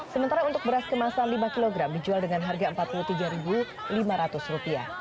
sementara untuk beras kemasan lima kg dijual dengan harga rp empat puluh tiga lima ratus